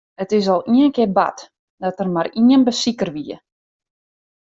It is al in kear bard dat der mar ien besiker wie.